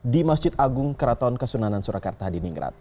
di masjid agung keraton kasunanan surakarta di ningrat